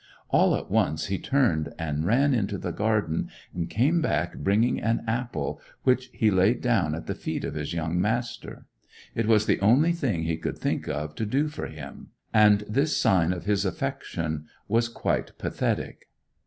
All at once he turned and ran up into the garden, and came back bringing an apple, which he laid down at the feet of his young master. It was the only thing he could think of to do for him and this sign of his affection was quite pathetic.